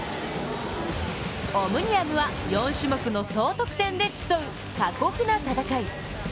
オムニアムは４種目の総得点で競う過酷な戦い。